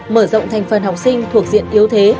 mở rộng thành phần học sinh thuộc diện yếu thế